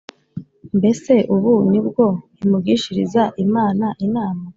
Mbese ubu ni bwo nkimugishiriza Imana inama?